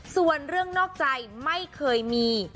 ส่วนเรื่องนอกใจไม่เคยมี